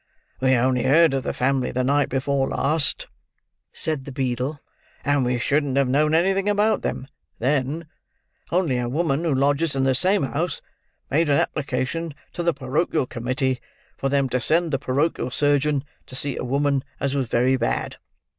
"We only heard of the family the night before last," said the beadle; "and we shouldn't have known anything about them, then, only a woman who lodges in the same house made an application to the porochial committee for them to send the porochial surgeon to see a woman as was very bad.